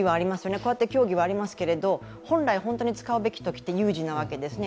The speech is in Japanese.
こうやって競技はありますけど、本来本当に使うべき時って有事なわけですね。